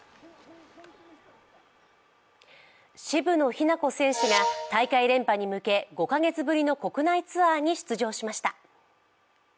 渋野日向子選手が大会連覇に向け５か月ぶりの国内ツアーに出場しました。